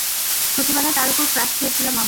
ছোটবেলায় তার ওপর ক্রাশ খেয়েছিলাম আমি।